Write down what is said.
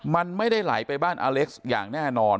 มันไม่ได้ไหลไปบ้านอเล็กซ์อย่างแน่นอน